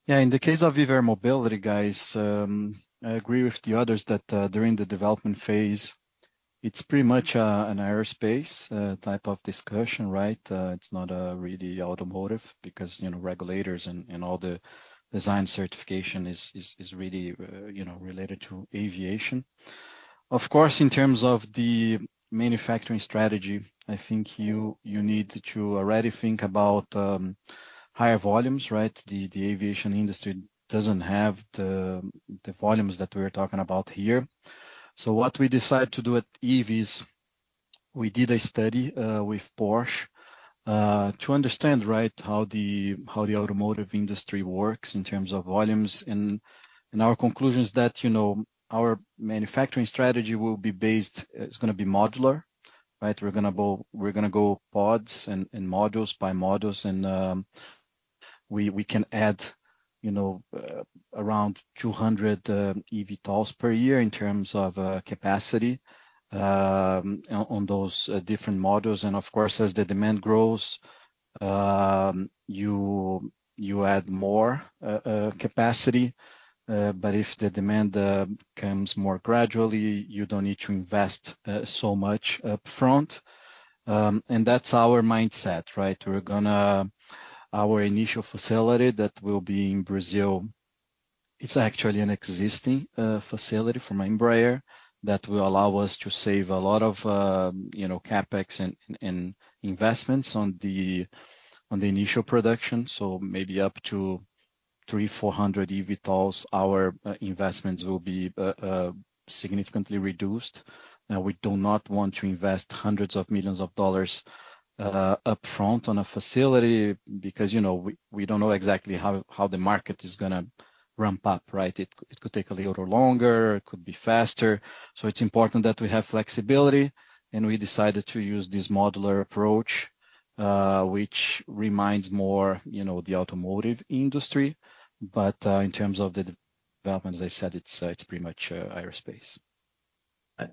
Yeah, in the case of Eve Air Mobility, guys, I agree with the others that, during the development phase, it's pretty much, an aerospace, type of discussion, right? It's not really automotive because, you know, regulators and all the design certification is really, you know, related to aviation. Of course, in terms of the manufacturing strategy, I think you need to already think about, higher volumes, right? The aviation industry doesn't have the volumes that we're talking about here. So what we decided to do at Eve is we did a study, with Porsche, to understand, right, how the automotive industry works in terms of volumes. And our conclusion is that, you know, our manufacturing strategy will be based... It's gonna be modular, right? We're gonna go pods and modules by modules, and we can add, you know, around 200 eVTOLs per year in terms of capacity on those different modules. Of course, as the demand grows, you add more capacity. If the demand comes more gradually, you don't need to invest so much upfront. That's our mindset, right? We're gonna... our initial facility that will be in Brazil, it's actually an existing facility from Embraer that will allow us to save a lot of, you know, CapEx and investments on the initial production, so maybe up to 300-400 eVTOLs. Our investments will be significantly reduced. Now, we do not want to invest hundreds of millions of dollars upfront on a facility because, you know, we don't know exactly how the market is gonna ramp up, right? It could take a little longer, it could be faster. It's important that we have flexibility, and we decided to use this modular approach, which reminds more, you know, the automotive industry. In terms of the developments, as I said, it's pretty much aerospace.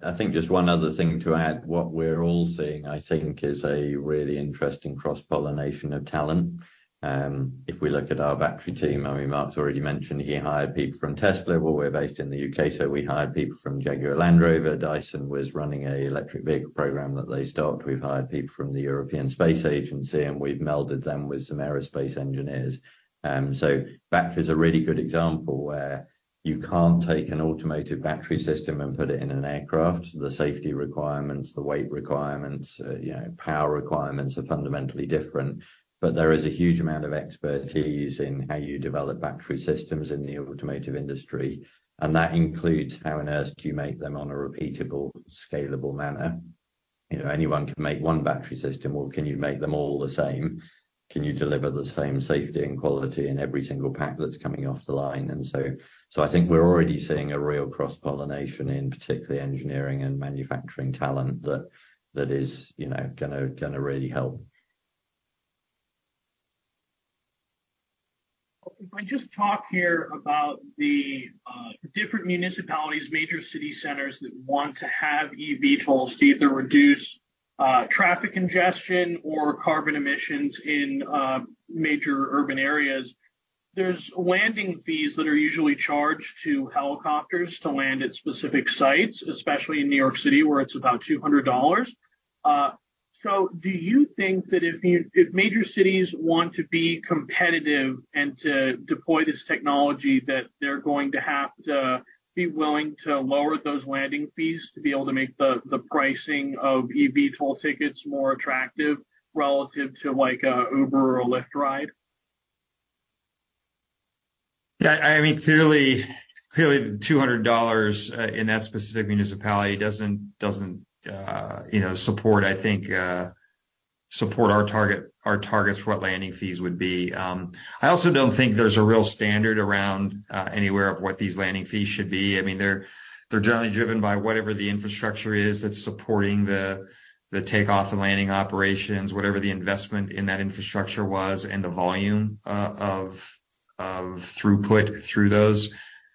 I think just one other thing to add. What we're all seeing, I think, is a really interesting cross-pollination of talent. If we look at our battery team, I mean, Mark's already mentioned he hired people from Tesla. Well, we're based in the U.K., so we hired people from Jaguar Land Rover. Dyson was running an electric vehicle program that they stopped. We've hired people from the European Space Agency, and we've melded them with some aerospace engineers. So battery is a really good example where you can't take an automotive battery system and put it in an aircraft. The safety requirements, the weight requirements, you know, power requirements are fundamentally different. But there is a huge amount of expertise in how you develop battery systems in the automotive industry, and that includes how on earth do you make them on a repeatable, scalable manner? You know, anyone can make one battery system. Well, can you make them all the same? Can you deliver the same safety and quality in every single pack that's coming off the line? And so I think we're already seeing a real cross-pollination in particularly engineering and manufacturing talent that is, you know, gonna really help. If I just talk here about the different municipalities, major city centers that want to have eVTOLs to either reduce traffic congestion or carbon emissions in major urban areas, there's landing fees that are usually charged to helicopters to land at specific sites, especially in New York City, where it's about $200. So do you think that if—if major cities want to be competitive and to deploy this technology, that they're going to have to be willing to lower those landing fees to be able to make the pricing of eVTOL tickets more attractive relative to, like, a Uber or a Lyft ride? Yeah, I mean, clearly, clearly, the $200 in that specific municipality doesn't, doesn't you know, support, I think support our target, our targets for what landing fees would be. I also don't think there's a real standard around anywhere of what these landing fees should be. I mean, they're, they're generally driven by whatever the infrastructure is that's supporting the, the takeoff and landing operations, whatever the investment in that infrastructure was and the volume of, of throughput through those.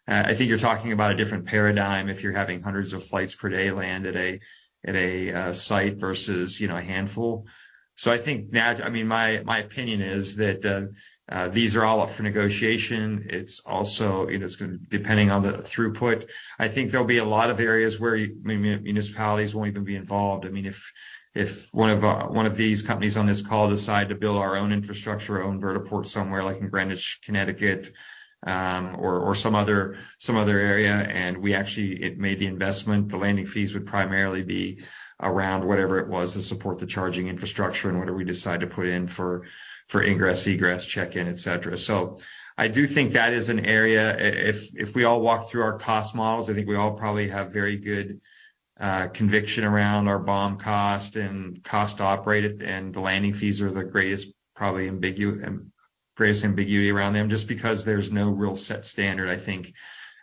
I think you're talking about a different paradigm if you're having hundreds of flights per day land at a, at a site versus, you know, a handful.... So I think that, I mean, my, my opinion is that these are all up for negotiation. It's also, you know, it's gonna depending on the throughput, I think there'll be a lot of areas where maybe municipalities won't even be involved. I mean, if one of these companies on this call decide to build our own infrastructure, our own vertiport somewhere, like in Greenwich, Connecticut, or some other area, and we actually, it made the investment, the landing fees would primarily be around whatever it was to support the charging infrastructure and whatever we decide to put in for ingress, egress, check-in, et cetera. So I do think that is an area if, if we all walk through our cost models, I think we all probably have very good conviction around our BOM cost and cost to operate it, and the landing fees are the greatest ambiguity around them, just because there's no real set standard, I think,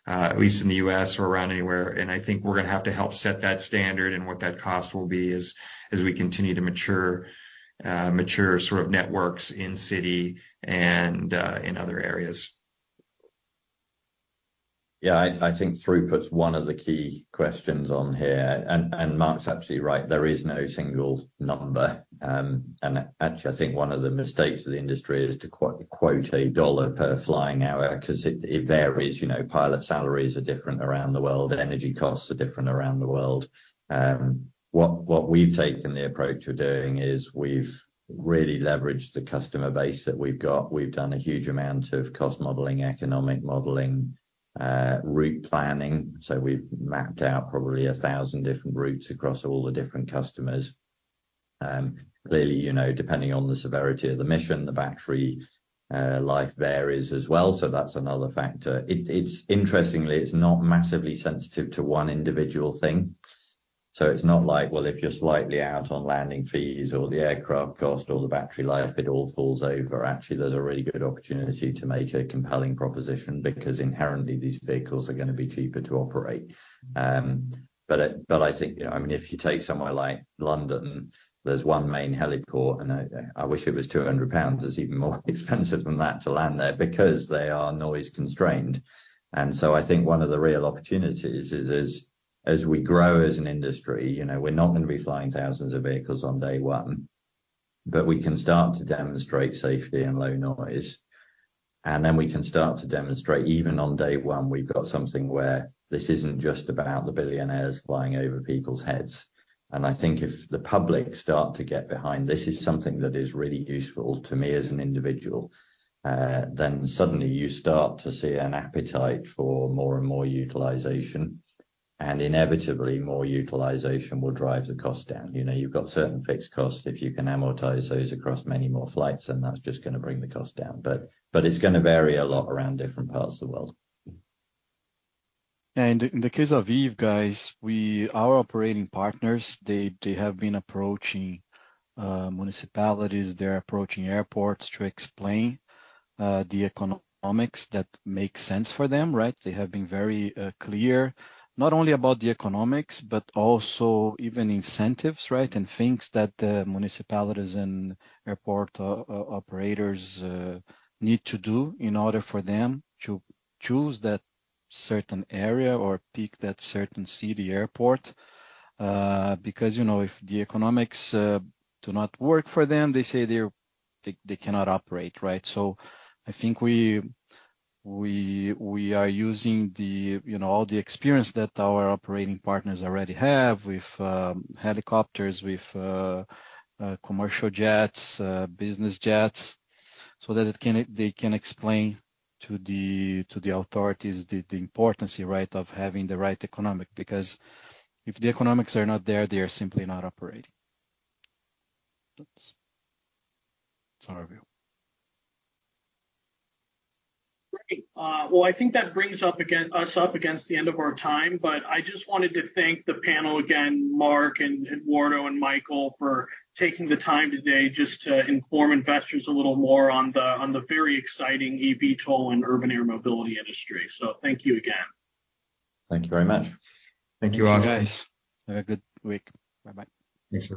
at least in the U.S. or around anywhere. And I think we're gonna have to help set that standard and what that cost will be as, as we continue to mature mature sort of networks in city and in other areas. Yeah, I think throughput's one of the key questions on here. And Mark's absolutely right, there is no single number. And actually, I think one of the mistakes of the industry is to quote a dollar per flying hour, 'cause it varies. You know, pilot salaries are different around the world, energy costs are different around the world. What we've taken the approach of doing is we've really leveraged the customer base that we've got. We've done a huge amount of cost modeling, economic modeling, route planning, so we've mapped out probably 1,000 different routes across all the different customers. Clearly, you know, depending on the severity of the mission, the battery life varies as well, so that's another factor. It's interestingly not massively sensitive to one individual thing. So it's not like, well, if you're slightly out on landing fees or the aircraft cost or the battery life, it all falls over. Actually, there's a really good opportunity to make a compelling proposition because inherently, these vehicles are gonna be cheaper to operate. But I think, you know, I mean, if you take somewhere like London, there's one main heliport, and I wish it was 200 pounds. It's even more expensive than that to land there because they are noise-constrained. And so I think one of the real opportunities is as we grow as an industry, you know, we're not gonna be flying thousands of vehicles on day one, but we can start to demonstrate safety and low noise. Then we can start to demonstrate, even on day one, we've got something where this isn't just about the billionaires flying over people's heads. And I think if the public start to get behind, "This is something that is really useful to me as an individual," then suddenly you start to see an appetite for more and more utilization, and inevitably, more utilization will drive the cost down. You know, you've got certain fixed costs. If you can amortize those across many more flights, then that's just gonna bring the cost down. But it's gonna vary a lot around different parts of the world. In the case of Eve, guys, we... Our operating partners, they, they have been approaching, municipalities, they're approaching airports to explain, the economics that make sense for them, right? They have been very, clear, not only about the economics, but also even incentives, right? And things that the municipalities and airport operators, need to do in order for them to choose that certain area or pick that certain city airport. Because, you know, if the economics, do not work for them, they say they're, they, they cannot operate, right? So I think we are using, you know, all the experience that our operating partners already have with helicopters, with commercial jets, business jets, so that they can explain to the authorities the importance, right, of having the right economic, because if the economics are not there, they are simply not operating. That's our view. Great. Well, I think that brings us up against the end of our time, but I just wanted to thank the panel again, Mark and Eduardo and Michael, for taking the time today just to inform investors a little more on the very exciting eVTOL and urban air mobility industry. So thank you again. Thank you very much. Thank you, guys. Thank you, guys. Have a good week. Bye-bye. Thanks very much.